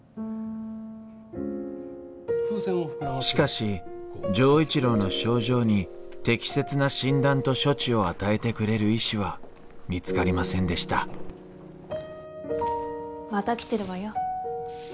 しかし錠一郎の症状に適切な診断と処置を与えてくれる医師は見つかりませんでしたまた来てるわよ。